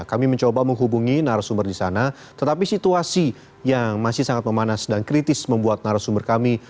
kami mencoba menghubungi narasumber di sana tetapi situasi yang masih sangat memanas dan kritis membuat narasumber kami